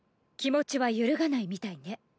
気持ちは揺るがないみたいね。